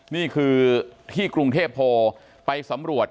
นี่คือที่กรุงเทพโพไปสำรวจ